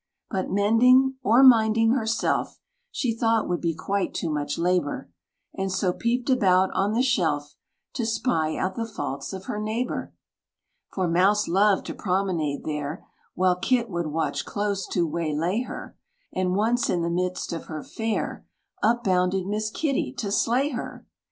But mending, or minding herself, She thought would be quite too much labor, And so peeped about on the shelf, To spy out the faults of her neighbor. For Mouse loved to promenade there, While Kit would watch close to waylay her; And once, in the midst of her fare, Up bounded Miss Kitty to slay her!